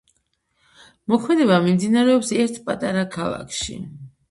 მოქმედება მიმდინარეობს ერთ პატარა ქალაქში.